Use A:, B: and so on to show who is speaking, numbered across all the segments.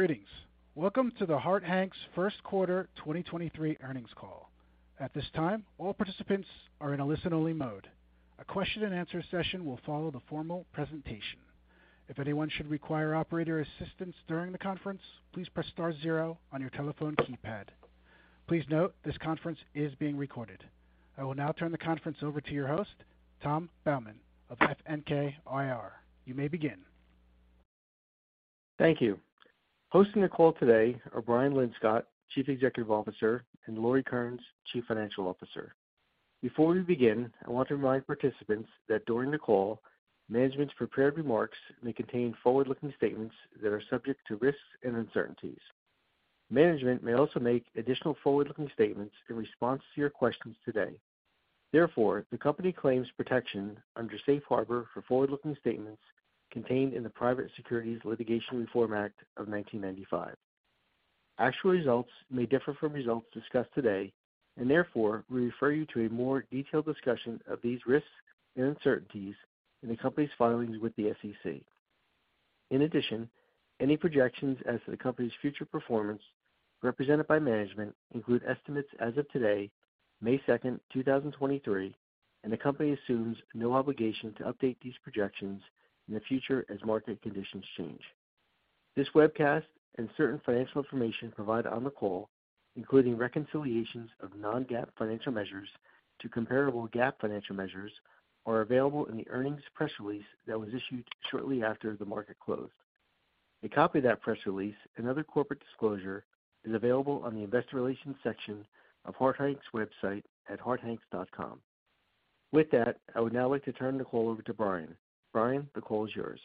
A: Greetings. Welcome to the Harte Hanks First Quarter 2023 Earnings Call. At this time, all participants are in a listen-only mode. A question and answer session will follow the formal presentation. If anyone should require operator assistance during the conference, please press star zero on your telephone keypad. Please note this conference is being recorded. I will now turn the conference over to your host, Tom Baumann of FNK IR. You may begin.
B: Thank you. Hosting the call today are Brian Linscott, Chief Executive Officer, and Lauri Kearnes, Chief Financial Officer. Before we begin, I want to remind participants that during the call, management's prepared remarks may contain forward-looking statements that are subject to risks and uncertainties. Management may also make additional forward-looking statements in response to your questions today. Therefore, the company claims protection under Safe Harbor for forward-looking statements contained in the Private Securities Litigation Reform Act of 1995. Actual results may differ from results discussed today, and therefore, we refer you to a more detailed discussion of these risks and uncertainties in the company's filings with the SEC. In addition, any projections as to the company's future performance represented by management include estimates as of today, May 2nd, 2023, and the company assumes no obligation to update these projections in the future as market conditions change. This webcast and certain financial information provided on the call, including reconciliations of non-GAAP financial measures to comparable GAAP financial measures, are available in the earnings press release that was issued shortly after the market closed. A copy of that press release and other corporate disclosure is available on the investor relations section of Harte Hanks' website at hartehanks.com. With that, I would now like to turn the call over to Brian. Brian, the call is yours.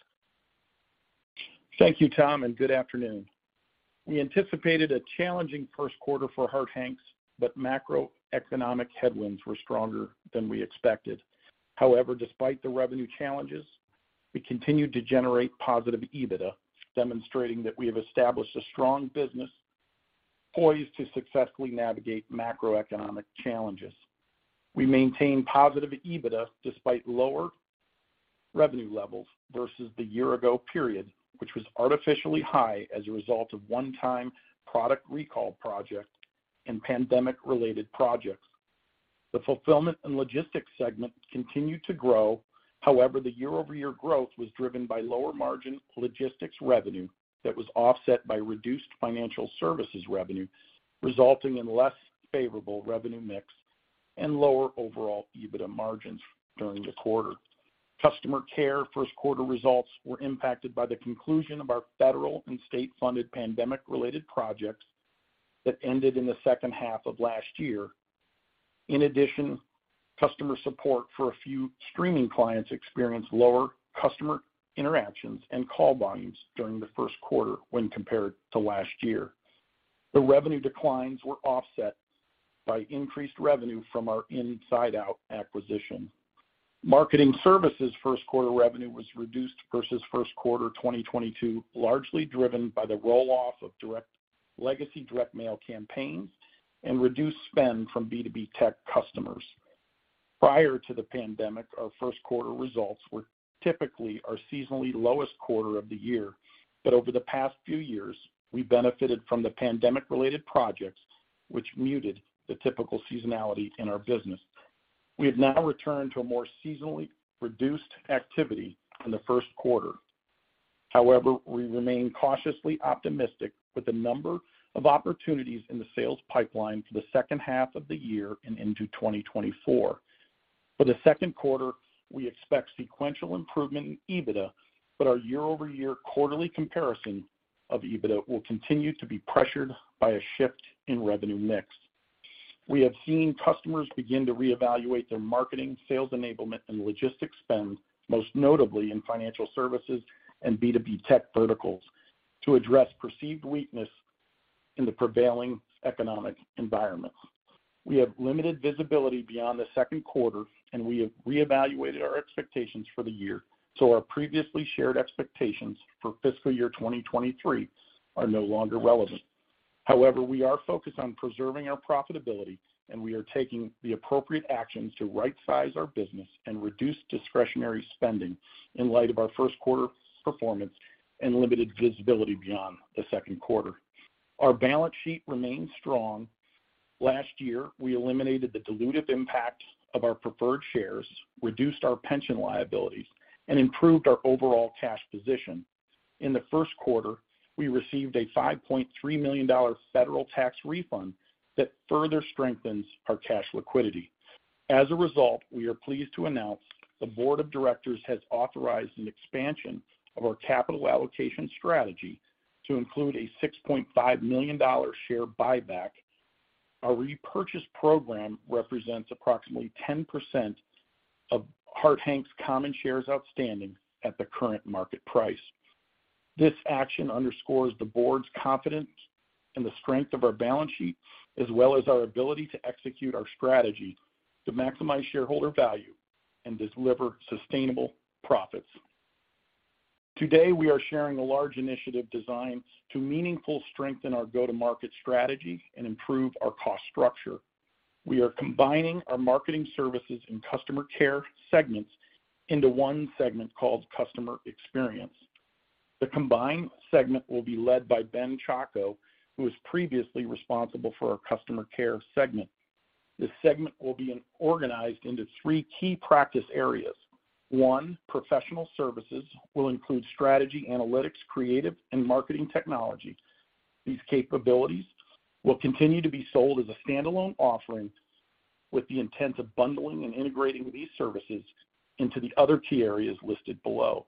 C: Thank you, Tom. Good afternoon. We anticipated a challenging first quarter for Harte Hanks. Macroeconomic headwinds were stronger than we expected. However, despite the revenue challenges, we continued to generate positive EBITDA, demonstrating that we have established a strong business poised to successfully navigate macroeconomic challenges. We maintained positive EBITDA despite lower revenue levels versus the year ago period, which was artificially high as a result of one-time product recall project and pandemic-related projects. The fulfillment and logistics segment continued to grow. However, the year-over-year growth was driven by lower margin logistics revenue that was offset by reduced financial services revenue, resulting in less favorable revenue mix and lower overall EBITDA margins during the quarter. Customer care first quarter results were impacted by the conclusion of our federal and state-funded pandemic-related projects that ended in the second half of last year. Customer support for a few streaming clients experienced lower customer interactions and call volumes during first quarter when compared to last year. The revenue declines were offset by increased revenue from our InsideOut acquisition. Marketing services first quarter revenue was reduced versus first quarter 2022, largely driven by the roll-off of direct legacy direct mail campaigns and reduced spend from B2B tech customers. Prior to the pandemic, our first quarter results were typically our seasonally lowest quarter of the year. Over the past few years, we benefited from the pandemic-related projects, which muted the typical seasonality in our business. We have now returned to a more seasonally reduced activity in first quarter. We remain cautiously optimistic with the number of opportunities in the sales pipeline for the second half of the year and into 2024. For the second quarter, we expect sequential improvement in EBITDA. Our year-over-year quarterly comparison of EBITDA will continue to be pressured by a shift in revenue mix. We have seen customers begin to reevaluate their marketing, sales enablement, and logistics spend, most notably in financial services and B2B tech verticals, to address perceived weakness in the prevailing economic environment. We have limited visibility beyond the second quarter. We have reevaluated our expectations for the year. Our previously shared expectations for fiscal year 2023 are no longer relevant. We are focused on preserving our profitability. We are taking the appropriate actions to rightsize our business and reduce discretionary spending in light of our first quarter performance and limited visibility beyond the second quarter. Our balance sheet remains strong. Last year, we eliminated the dilutive impact of our preferred shares, reduced our pension liabilities, and improved our overall cash position. In the first quarter, we received a $5.3 million Federal tax refund that further strengthens our cash liquidity. We are pleased to announce the Board of Directors has authorized an expansion of our capital allocation strategy to include a $6.5 million share buyback. Our repurchase program represents approximately 10% of Harte Hanks common shares outstanding at the current market price. This action underscores the board's confidence in the strength of our balance sheet, as well as our ability to execute our strategy to maximize shareholder value and deliver sustainable profits. Today, we are sharing a large initiative designed to meaningfully strengthen our go-to-market strategy and improve our cost structure. We are combining our marketing services and customer care segments into one segment called customer experience. The combined segment will be led by Ben Chacko, who was previously responsible for our customer care segment. This segment will be organized into three key practice areas. One, professional services will include strategy, analytics, creative, and marketing technology. These capabilities will continue to be sold as a standalone offering with the intent of bundling and integrating these services into the other key areas listed below.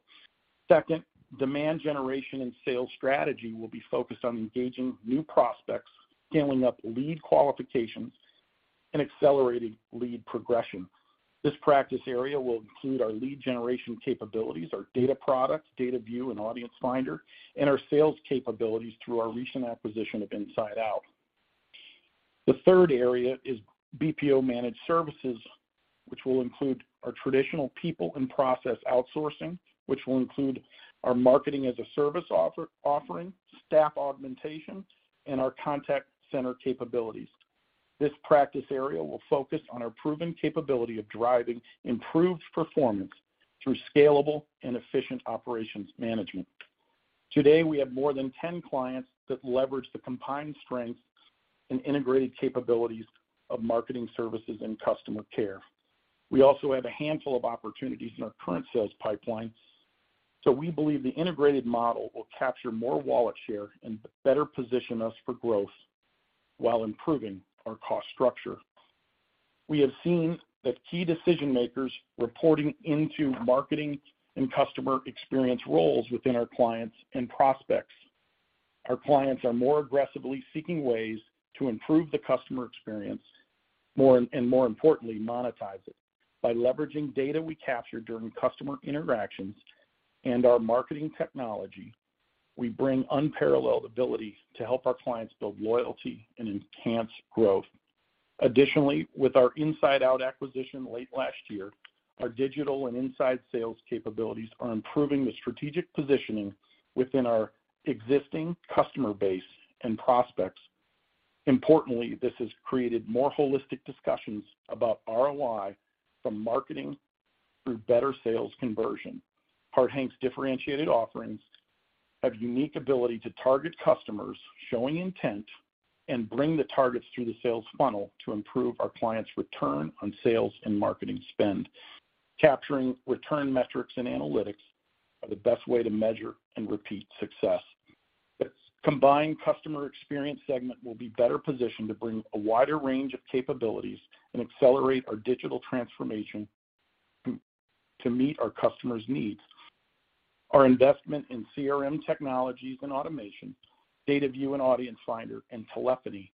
C: Second, demand generation and sales strategy will be focused on engaging new prospects, scaling up lead qualifications, and accelerating lead progression. This practice area will include our lead generation capabilities, our data products, DataView, and Audience Finder, and our sales capabilities through our recent acquisition of InsideOut. The third area is BPO managed services, which will include our traditional people and process outsourcing, which will include our marketing-as-a-service offering, staff augmentation, and our contact center capabilities. This practice area will focus on our proven capability of driving improved performance through scalable and efficient operations management. Today, we have more than 10 clients that leverage the combined strengths and integrated capabilities of marketing services and customer care. We also have a handful of opportunities in our current sales pipeline. We believe the integrated model will capture more wallet share and better position us for growth while improving our cost structure. We have seen that key decision-makers reporting into marketing and customer experience roles within our clients and prospects. Our clients are more aggressively seeking ways to improve the customer experience and more importantly, monetize it. By leveraging data we capture during customer interactions and our marketing technology, we bring unparalleled ability to help our clients build loyalty and enhance growth. Additionally, with our InsideOut acquisition late last year, our digital and inside sales capabilities are improving the strategic positioning within our existing customer base and prospects. Importantly, this has created more holistic discussions about ROI from marketing through better sales conversion. Harte Hanks' differentiated offerings have unique ability to target customers showing intent and bring the targets through the sales funnel to improve our clients' return on sales and marketing spend. Capturing return metrics and analytics are the best way to measure and repeat success. This combined customer experience segment will be better positioned to bring a wider range of capabilities and accelerate our digital transformation to meet our customers' needs. Our investment in CRM technologies and automation, DataView, and Audience Finder, and telephony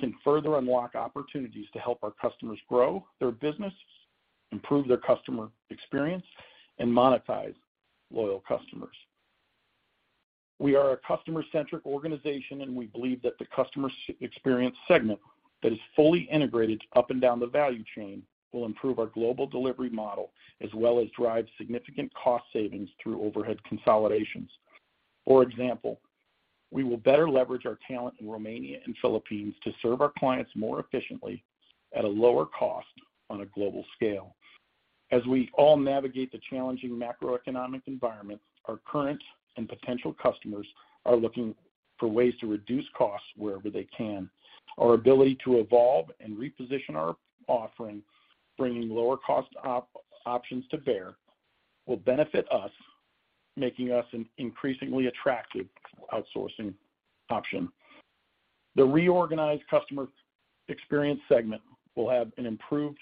C: can further unlock opportunities to help our customers grow their business, improve their customer experience, and monetize loyal customers. We are a customer-centric organization, and we believe that the customer experience segment that is fully integrated up and down the value chain will improve our global delivery model as well as drive significant cost savings through overhead consolidations. For example, we will better leverage our talent in Romania and Philippines to serve our clients more efficiently at a lower cost on a global scale. As we all navigate the challenging macroeconomic environment, our current and potential customers are looking for ways to reduce costs wherever they can. Our ability to evolve and reposition our offering, bringing lower cost options to bear, will benefit us, making us an increasingly attractive outsourcing option. The reorganized customer experience segment will have an improved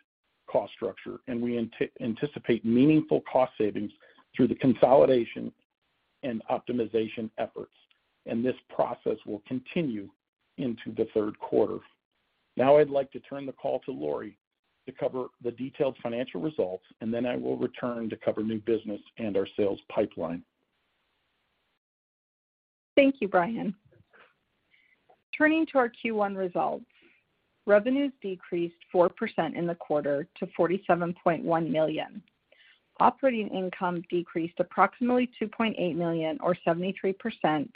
C: cost structure. We anticipate meaningful cost savings through the consolidation and optimization efforts. This process will continue into the third quarter. I'd like to turn the call to Lauri to cover the detailed financial results. Then I will return to cover new business and our sales pipeline.
D: Thank you, Brian. Turning to our Q1 results. Revenues decreased 4% in the quarter to $47.1 million. Operating income decreased approximately $2.8 million or 73%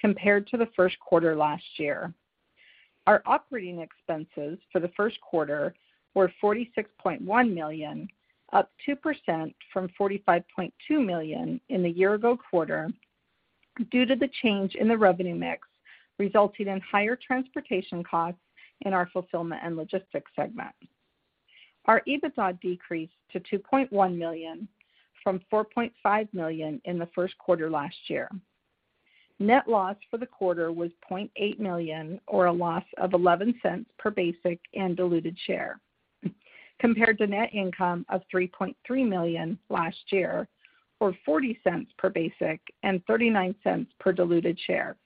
D: compared to the first quarter last year. Our operating expenses for the first quarter were $46.1 million, up 2% from $45.2 million in the year ago quarter due to the change in the revenue mix, resulting in higher transportation costs in our fulfillment and logistics segment. Our EBITDA decreased to $2.1 million from $4.5 million in the first quarter last year. Net loss for the quarter was $0.8 million or a loss of $0.11 per basic and diluted share compared to net income of $3.3 million last year or $0.40 per basic and $0.39 per diluted share.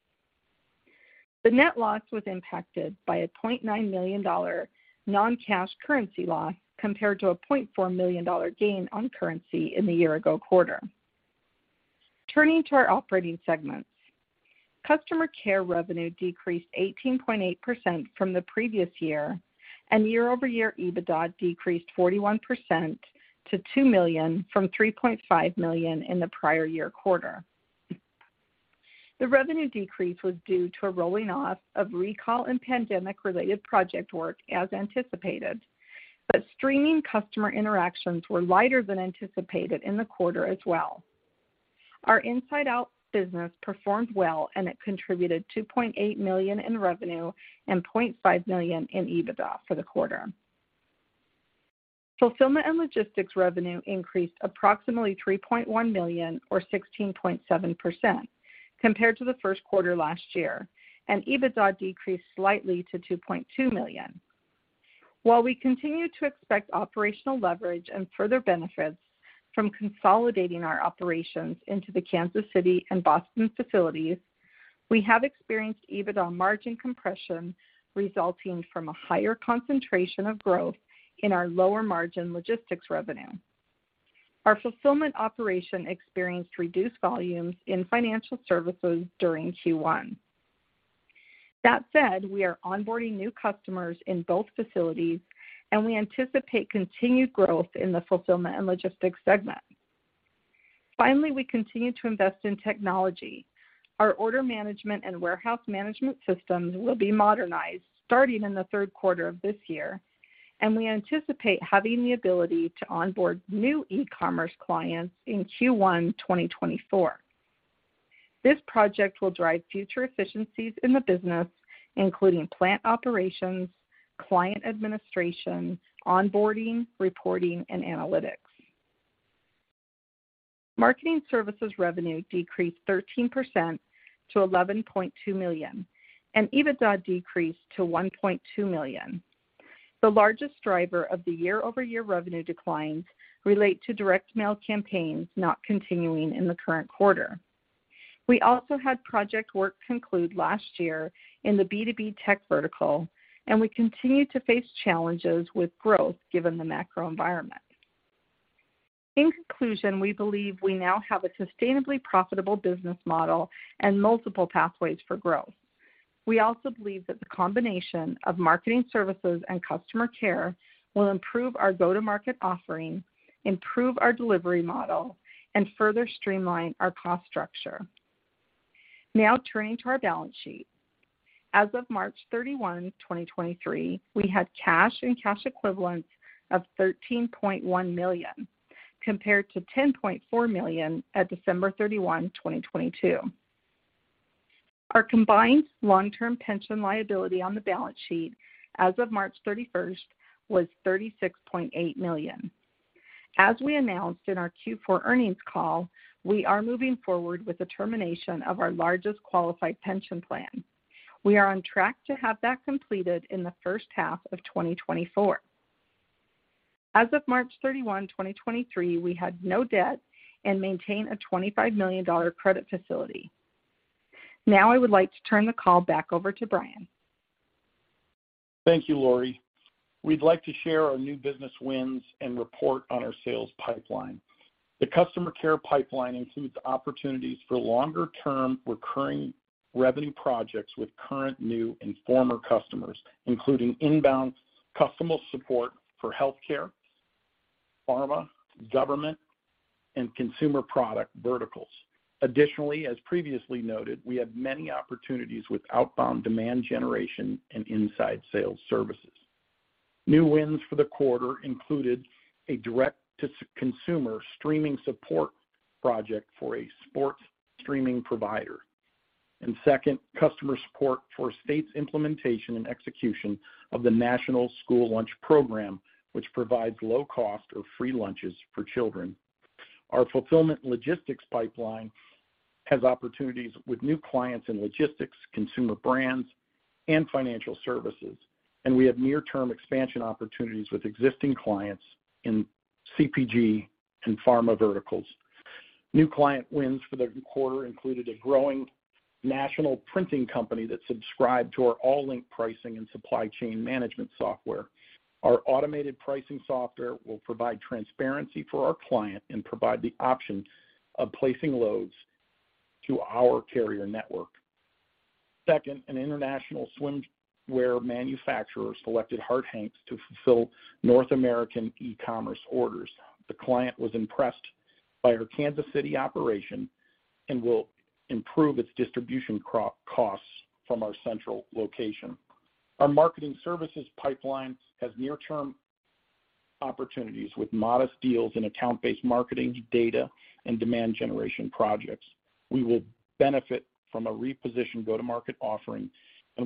D: The net loss was impacted by a $0.9 million non-cash currency loss compared to a $0.4 million gain on currency in the year-ago quarter. Turning to our operating segments. Customer care revenue decreased 18.8% from the previous year and year-over-year EBITDA decreased 41% to $2 million from $3.5 million in the prior year quarter. The revenue decrease was due to a rolling off of recall and pandemic related project work, as anticipated. Streaming customer interactions were lighter than anticipated in the quarter as well. Our InsideOut business performed well, and it contributed $2.8 million in revenue and $0.5 million in EBITDA for the quarter. Fulfillment and logistics revenue increased approximately $3.1 million or 16.7% compared to the first quarter last year, and EBITDA decreased slightly to $2.2 million. While we continue to expect operational leverage and further benefits from consolidating our operations into the Kansas City and Boston facilities, we have experienced EBITDA margin compression resulting from a higher concentration of growth in our lower margin logistics revenue. Our fulfillment operation experienced reduced volumes in financial services during Q1. That said, we are onboarding new customers in both facilities, and we anticipate continued growth in the fulfillment and logistics segment. Finally, we continue to invest in technology. Our order management and warehouse management systems will be modernized starting in the third quarter of this year, and we anticipate having the ability to onboard new e-commerce clients in Q1 2024. This project will drive future efficiencies in the business, including plant operations, client administration, onboarding, reporting and analytics. Marketing services revenue decreased 13% to $11.2 million, and EBITDA decreased to $1.2 million. The largest driver of the year-over-year revenue declines relate to direct mail campaigns not continuing in the current quarter. We also had project work conclude last year in the B2B tech vertical. We continue to face challenges with growth given the macro environment. In conclusion, we believe we now have a sustainably profitable business model and multiple pathways for growth. We also believe that the combination of marketing services and customer care will improve our go-to-market offering, improve our delivery model and further streamline our cost structure. Turning to our balance sheet. As of March 31, 2023, we had cash and cash equivalents of $13.1 million, compared to $10.4 million at December 31, 2022. Our combined long-term pension liability on the balance sheet as of March 31 was $36.8 million. As we announced in our Q4 earnings call, we are moving forward with the termination of our largest qualified pension plan. We are on track to have that completed in the first half of 2024. As of March 31, 2023, we had no debt and maintain a $25 million credit facility. I would like to turn the call back over to Brian.
C: Thank you, Lauri. We'd like to share our new business wins and report on our sales pipeline. The customer care pipeline includes opportunities for longer term recurring revenue projects with current, new and former customers, including inbound customer support for healthcare, pharma, government and consumer product verticals. As previously noted, we have many opportunities with outbound demand generation and inside sales services. New wins for the quarter included a direct to consumer streaming support project for a sports streaming provider. Second, customer support for state's implementation and execution of the National School Lunch Program, which provides low cost or free lunches for children. Our fulfillment logistics pipeline has opportunities with new clients in logistics, consumer brands and financial services, and we have near-term expansion opportunities with existing clients in CPG and pharma verticals. New client wins for the quarter included a growing national printing company that subscribed to our Allink pricing and supply chain management software. Our automated pricing software will provide transparency for our client and provide the option of placing loads to our carrier network. Second, an international swimwear manufacturer selected Harte Hanks to fulfill North American e-commerce orders. The client was impressed by our Kansas City operation and will improve its distribution costs from our central location. Our marketing services pipelines has near-term opportunities with modest deals in account-based marketing, data and demand generation projects. We will benefit from a repositioned go-to-market offering,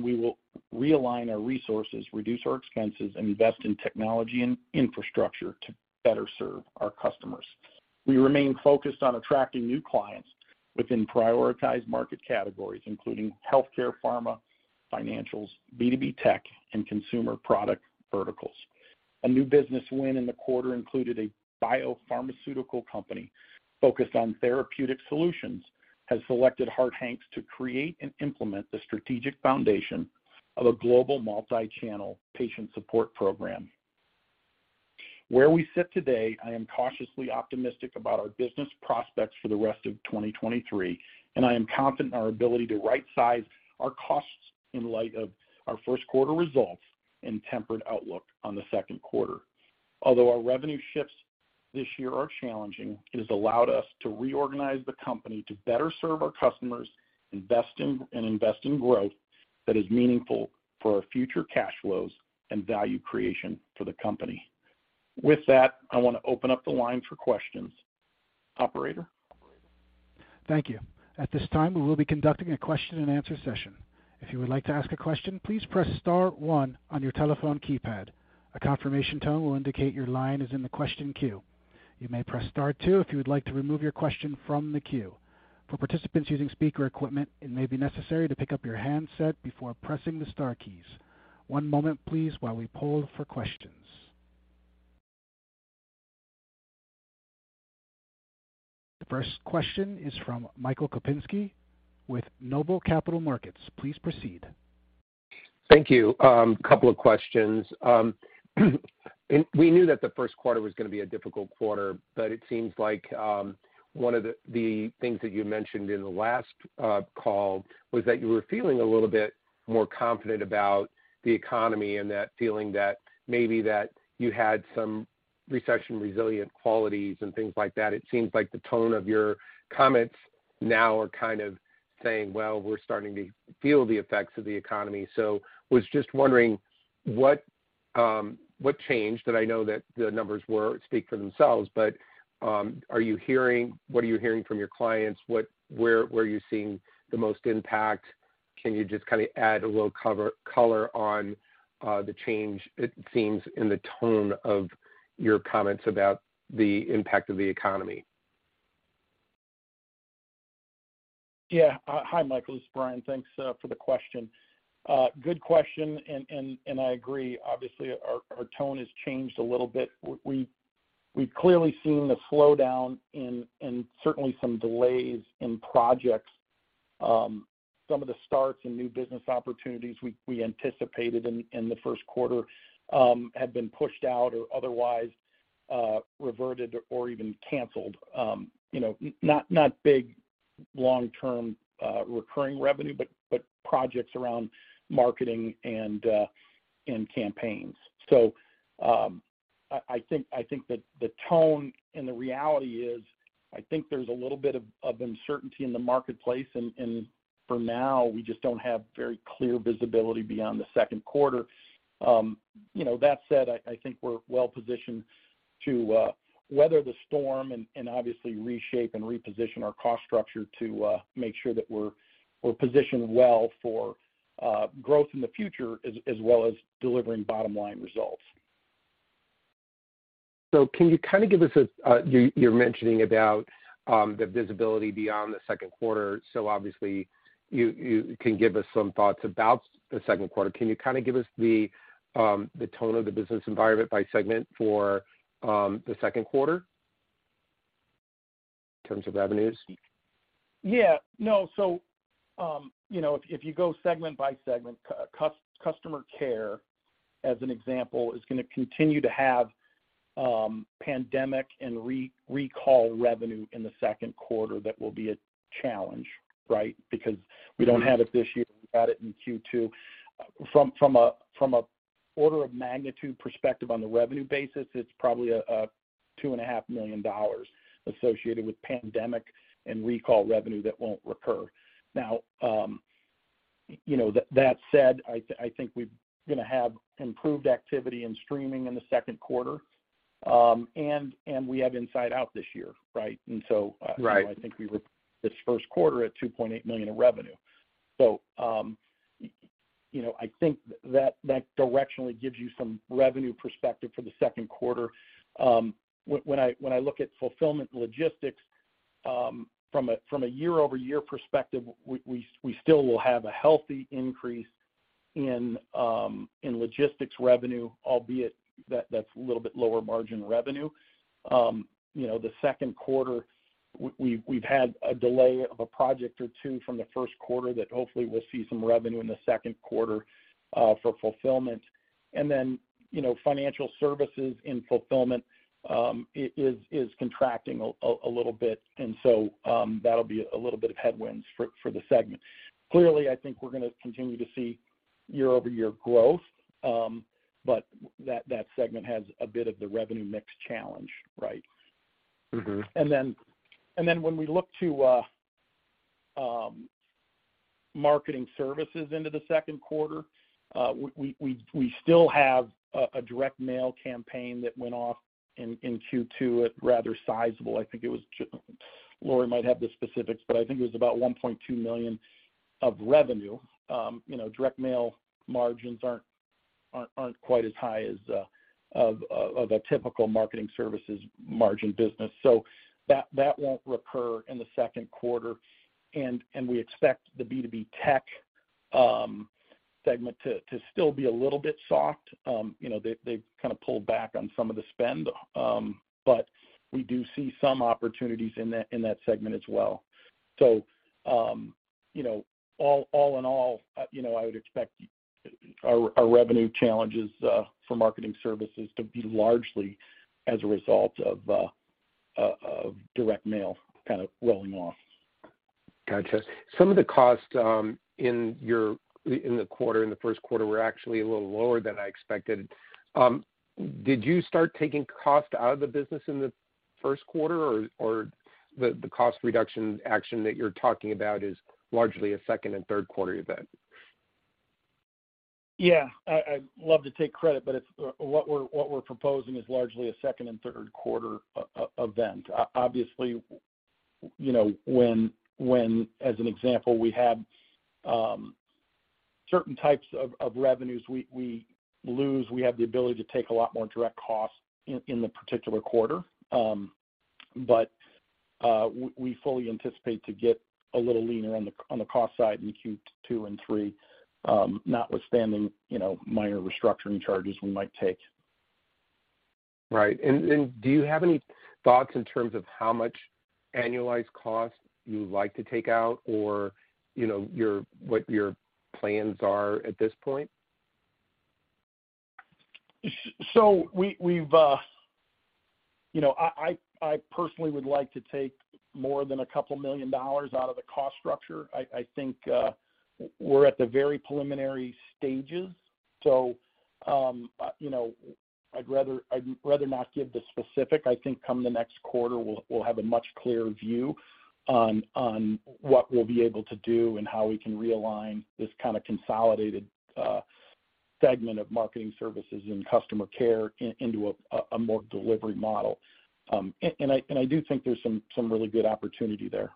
C: we will realign our resources, reduce our expenses, and invest in technology and infrastructure to better serve our customers. We remain focused on attracting new clients within prioritized market categories including healthcare, pharma, financials, B2B tech and consumer product verticals. A new business win in the quarter included a biopharmaceutical company focused on therapeutic solutions, has selected Harte Hanks to create and implement the strategic foundation of a global multi-channel patient support program. Where we sit today, I am cautiously optimistic about our business prospects for the rest of 2023. I am confident in our ability to right-size our costs in light of our first quarter results and tempered outlook on the second quarter. Although our revenue shifts this year are challenging, it has allowed us to reorganize the company to better serve our customers, and invest in growth that is meaningful for our future cash flows and value creation for the company. With that, I want to open up the line for questions. Operator?
A: Thank you. At this time, we will be conducting a question and answer session. If you would like to ask a question, please press star one on your telephone keypad. A confirmation tone will indicate your line is in the question queue. You may press star two if you would like to remove your question from the queue. For participants using speaker equipment, it may be necessary to pick up your handset before pressing the star keys. One moment please while we poll for questions. The first question is from Michael Kupinski with Noble Capital Markets. Please proceed.
E: Thank you. Couple of questions. We knew that the first quarter was gonna be a difficult quarter, but it seems like one of the things that you mentioned in the last call was that you were feeling a little bit more confident about the economy and that feeling that maybe that you had some recession-resilient qualities and things like that. It seems like the tone of your comments now are kind of saying, "Well, we're starting to feel the effects of the economy." Was just wondering what changed? That I know that the numbers speak for themselves, but what are you hearing from your clients? Where are you seeing the most impact? Can you just kinda add a little cover-color on the change, it seems, in the tone of your comments about the impact of the economy?
C: Yeah. Hi, Michael. This is Brian. Thanks for the question. Good question, and I agree. Obviously our tone has changed a little bit. We've clearly seen the slowdown and certainly some delays in projects. Some of the starts and new business opportunities we anticipated in the first quarter have been pushed out or otherwise reverted or even canceled. You know, not big, long-term recurring revenue, but projects around marketing and campaigns. I think that the tone and the reality is, I think there's a little bit of uncertainty in the marketplace and for now, we just don't have very clear visibility beyond the second quarter. you know, that said, I think we're well positioned to weather the storm and obviously reshape and reposition our cost structure to make sure that we're positioned well for growth in the future as well as delivering bottom-line results.
E: Can you kind of give us you're mentioning about the visibility beyond the second quarter. Obviously you can give us some thoughts about the second quarter. Can you kind of give us the tone of the business environment by segment for the second quarter in terms of revenues?
C: Yeah. No. If you go segment by segment, customer care, as an example, is gonna continue to have pandemic and recall revenue in the second quarter that will be a challenge, right? Because we don't have it this year, we had it in Q2. From a order of magnitude perspective on the revenue basis, it's probably a $2.5 million associated with pandemic and recall revenue that won't recur. Now, you know, that said, I think we're gonna have improved activity in streaming in the second quarter. And we have InsideOut this year, right?
E: Right.
C: I think we were this first quarter at $2.8 million in revenue. You know, I think that's directionally gives you some revenue perspective for the second quarter. When I look at fulfillment logistics, from a year-over-year perspective, we still will have a healthy increase in logistics revenue, albeit that's a little bit lower margin revenue. You know, the second quarter we've had a delay of a project or two from the first quarter that hopefully we'll see some revenue in the second quarter for fulfillment. You know, financial services and fulfillment is contracting a little bit. That'll be a little bit of headwinds for the segment. Clearly, I think we're gonna continue to see year-over-year growth, but that segment has a bit of the revenue mix challenge, right?
E: Mm-hmm.
C: When we look to marketing services into the second quarter, we still have a direct mail campaign that went off in Q2 at rather sizable. I think it was Lauri might have the specifics, but I think it was about $1.2 million of revenue. You know, direct mail margins aren't quite as high as of a typical marketing services margin business. That won't recur in the second quarter. We expect the B2B tech segment to still be a little bit soft. You know, they've kinda pulled back on some of the spend, but we do see some opportunities in that segment as well. You know, all in all, you know, I would expect our revenue challenges for marketing services to be largely as a result of direct mail kind of rolling off.
E: Gotcha. Some of the costs, in the quarter, in the first quarter were actually a little lower than I expected. Did you start taking cost out of the business in the first quarter or the cost reduction action that you're talking about is largely a second and third quarter event?
C: Yeah. I'd love to take credit, but it's what we're proposing is largely a second and third quarter event. Obviously, you know, when as an example, we have certain types of revenues we lose, we have the ability to take a lot more direct costs in the particular quarter. We fully anticipate to get a little leaner on the cost side in Q2 and Q3, notwithstanding, you know, minor restructuring charges we might take.
E: Right. Do you have any thoughts in terms of how much annualized cost you would like to take out or, you know, what your plans are at this point?
C: You know, I personally would like to take more than a couple million dollars out of the cost structure. I think, we're at the very preliminary stages. You know, I'd rather not give the specific. I think come the next quarter, we'll have a much clearer view on what we'll be able to do and how we can realign this kind of consolidated segment of marketing services and Customer Care into a more delivery model. I do think there's some really good opportunity there.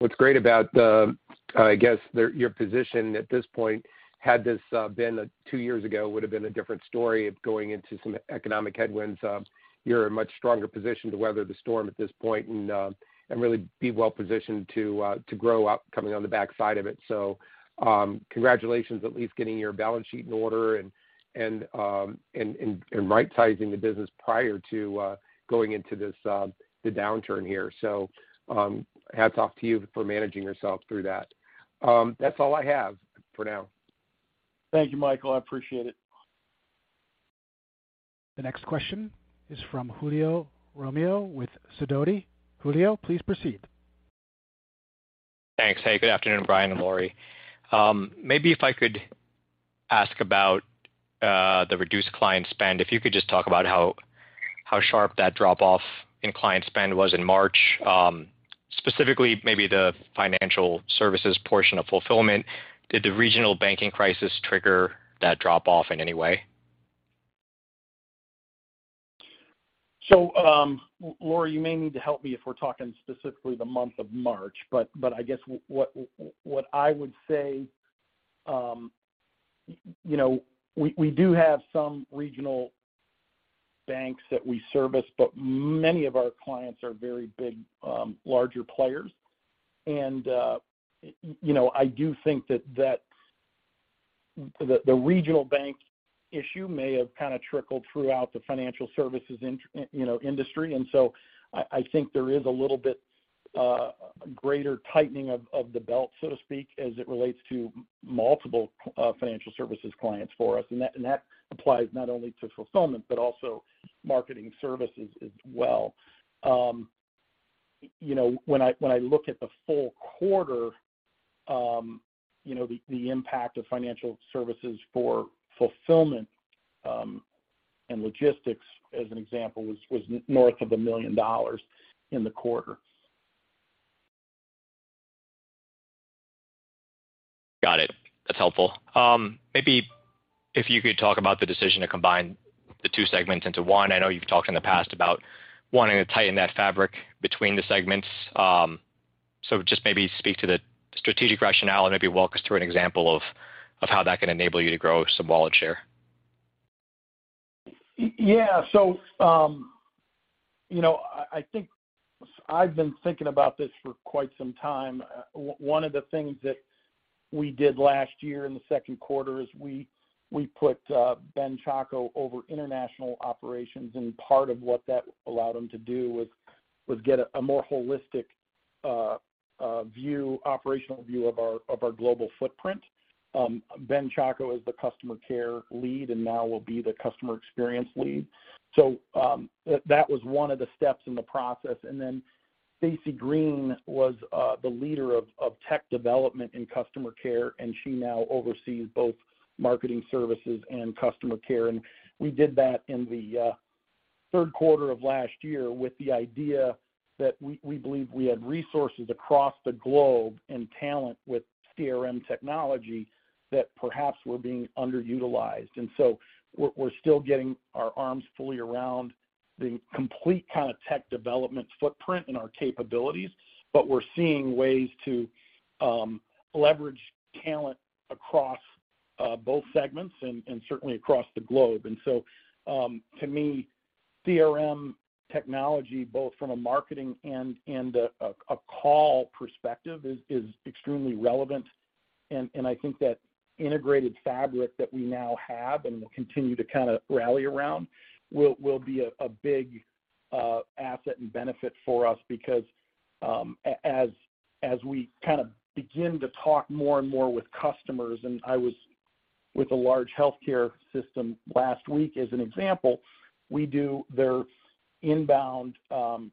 E: What's great about the, I guess, your position at this point, had this been two years ago, would have been a different story of going into some economic headwinds. You're in much stronger position to weather the storm at this point and really be well-positioned to grow up coming on the backside of it. Congratulations, at least getting your balance sheet in order and right-sizing the business prior to going into this the downturn here. Hats off to you for managing yourself through that. That's all I have for now.
C: Thank you, Michael. I appreciate it.
A: The next question is from Julio Romero with Sidoti. Julio, please proceed.
F: Thanks. Hey, good afternoon, Brian and Lauri. Maybe if I could ask about the reduced client spend? If you could just talk about how sharp that drop-off in client spend was in March, specifically maybe the financial services portion of fulfillment? Did the regional banking crisis trigger that drop-off in any way?
C: Lauri, you may need to help me if we're talking specifically the month of March, but I guess what I would say, you know, we do have some regional banks that we service, but many of our clients are very big, larger players. You know, I do think that the regional bank issue may have kinda trickled throughout the financial services industry. I think there is a little bit greater tightening of the belt, so to speak, as it relates to multiple financial services clients for us. That applies not only to fulfillment, but also marketing services as well. you know, when I look at the full quarter, you know, the impact of financial services for fulfillment, and logistics, as an example, was north of $1 million in the quarter.
F: Got it. That's helpful. Maybe if you could talk about the decision to combine the two segments into one. I know you've talked in the past about wanting to tighten that fabric between the segments. Just maybe speak to the strategic rationale and maybe walk us through an example of how that can enable you to grow some wallet share.
C: Yeah. You know, I think I've been thinking about this for quite some time. One of the things that we did last year in the second quarter is we put Ben Chacko over international operations, and part of what that allowed him to do was get a more holistic view, operational view of our global footprint. Ben Chacko is the customer care lead and now will be the customer experience lead. That was one of the steps in the process. Then Stacey Greene was the leader of tech development in customer care, and she now oversees both marketing services and customer care. We did that in the third quarter of last year with the idea that we believe we had resources across the globe and talent with CRM technology that perhaps were being underutilized. We're still getting our arms fully around the complete kinda tech development footprint and our capabilities, but we're seeing ways to leverage talent across both segments and certainly across the globe. To me, CRM technology, both from a marketing and a call perspective is extremely relevant. I think that integrated fabric that we now have and will continue to kinda rally around will be a big asset and benefit for us because as we kinda begin to talk more and more with customers, and With a large healthcare system last week as an example, we do their inbound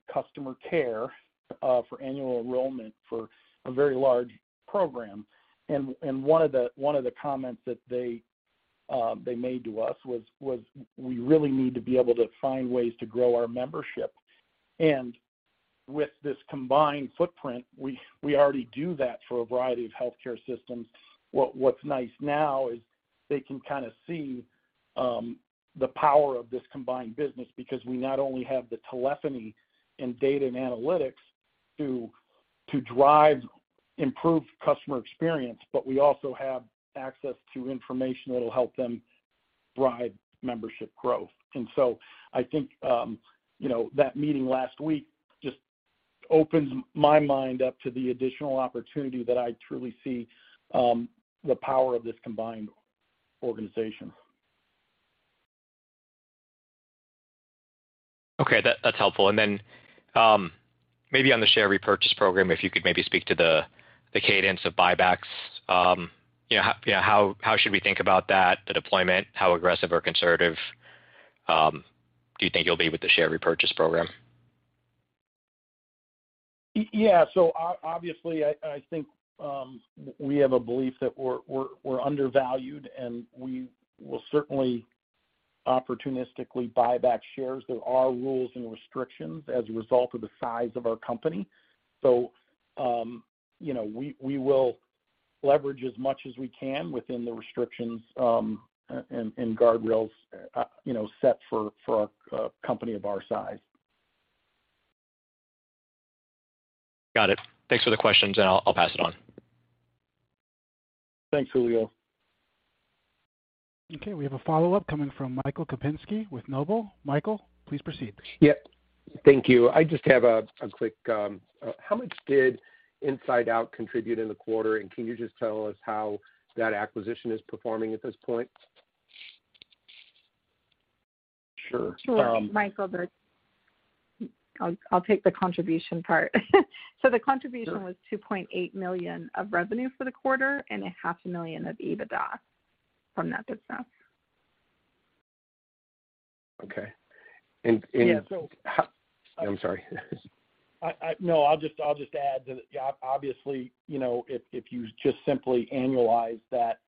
C: customer care for annual enrollment for a very large program. One of the comments that they made to us was, "We really need to be able to find ways to grow our membership." With this combined footprint, we already do that for a variety of healthcare systems. What's nice now is they can kinda see, the power of this combined business because we not only have the telephony and data and analytics to drive improved customer experience, but we also have access to information that'll help them drive membership growth. I think, you know, that meeting last week just opens my mind up to the additional opportunity that I truly see, the power of this combined organization.
F: Okay. That's helpful. Then, maybe on the share repurchase program, if you could maybe speak to the cadence of buybacks. You know, how should we think about that, the deployment? How aggressive or conservative do you think you'll be with the share repurchase program?
C: Yeah. Obviously, I think, we have a belief that we're undervalued, and we will certainly opportunistically buy back shares. There are rules and restrictions as a result of the size of our company. You know, we will leverage as much as we can within the restrictions, and guardrails, you know, set for a company of our size.
F: Got it. Thanks for the questions, and I'll pass it on.
C: Thanks, Julio.
A: Okay. We have a follow-up coming from Michael Kupinski with Noble. Michael, please proceed.
E: Yep. Thank you. I just have a quick, how much did InsideOut contribute in the quarter? Can you just tell us how that acquisition is performing at this point?
C: Sure.
D: Sure. Michael, I'll take the contribution part.
E: Sure.
D: -was $2.8 million of revenue for the quarter and $500,000 of EBITDA from that business.
E: Okay.
C: Yeah.
E: I'm sorry.
C: I No, I'll just add to the obviously, you know, if you just simply annualize that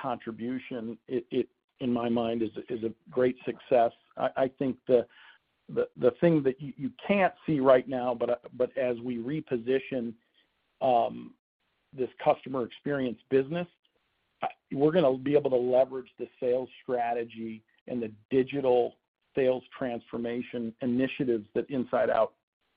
C: contribution, it in my mind is a great success. I think the thing that you can't see right now, but as we reposition this customer experience business, we're gonna be able to leverage the sales strategy and the digital sales transformation initiatives that InsideOut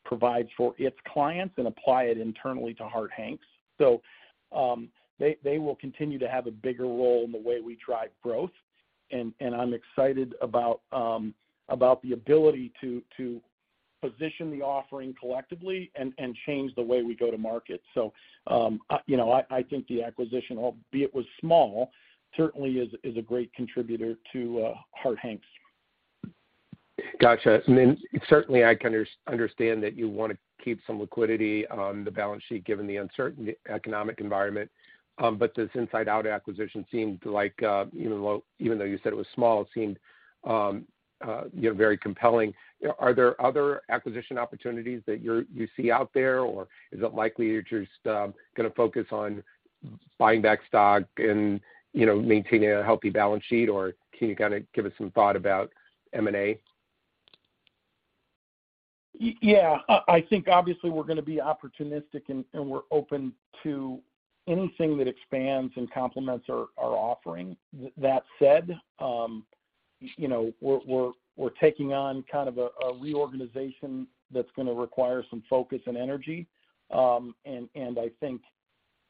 C: provides for its clients and apply it internally to Harte Hanks. They will continue to have a bigger role in the way we drive growth. I'm excited about the ability to position the offering collectively and change the way we go to market. I, you know, I think the acquisition, albeit it was small, certainly is a great contributor to Harte Hanks.
E: Gotcha. Certainly I can understand that you wanna keep some liquidity on the balance sheet given the uncertain economic environment. This InsideOut acquisition seemed like even low, even though you said it was small, it seemed, you know, very compelling. Are there other acquisition opportunities that you're, you see out there, or is it likely that you're just gonna focus on buying back stock and, you know, maintaining a healthy balance sheet, or can you kinda give us some thought about M&A?
C: Yeah. I think obviously we're gonna be opportunistic, and we're open to anything that expands and complements our offering. That said, you know, we're taking on kind of a reorganization that's gonna require some focus and energy. I think,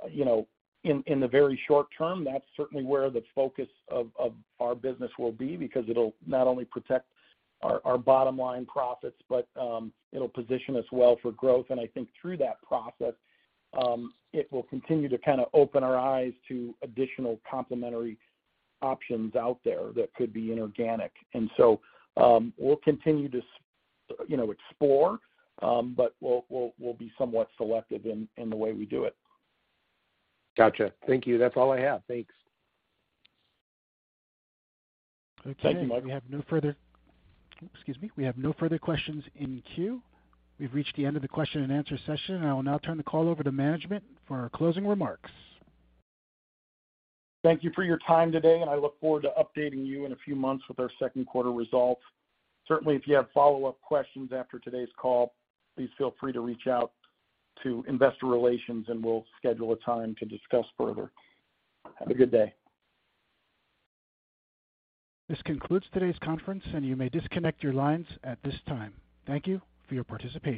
C: you know, in the very short term, that's certainly where the focus of our business will be because it'll not only protect our bottom line profits, but it'll position us well for growth. I think through that process, it will continue to kinda open our eyes to additional complementary options out there that could be inorganic. we'll continue to you know, explore, but we'll be somewhat selective in the way we do it.
E: Gotcha. Thank you. That's all I have. Thanks.
C: Thank you, Michael.
A: Okay. We have no further... Oops, excuse me. We have no further questions in queue. We've reached the end of the question and answer session. I will now turn the call over to management for our closing remarks.
C: Thank you for your time today, and I look forward to updating you in a few months with our second quarter results. Certainly, if you have follow-up questions after today's call, please feel free to reach out to investor relations, and we'll schedule a time to discuss further. Have a good day.
A: This concludes today's conference, and you may disconnect your lines at this time. Thank you for your participation.